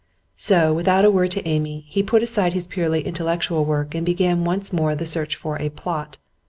So, without a word to Amy, he put aside his purely intellectual work and began once more the search for a 'plot.